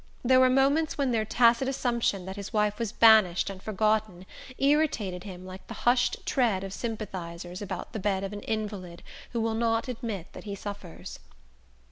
There were moments when their tacit assumption that his wife was banished and forgotten irritated him like the hushed tread of sympathizers about the bed of an invalid who will not admit that he suffers.